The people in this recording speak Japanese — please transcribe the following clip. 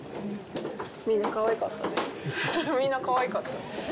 みんなかわいかったね。